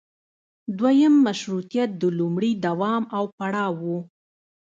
دویم مشروطیت د لومړي دوام او پړاو و.